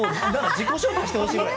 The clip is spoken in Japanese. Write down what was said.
自己紹介してほしいくらい。